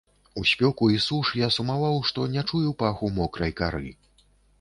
У спёку і суш я сумаваў, што не чую паху мокрай кары.